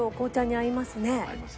合いますね。